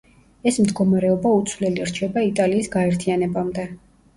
ეს მდგომარეობა უცვლელი რჩება იტალიის გაერთიანებამდე.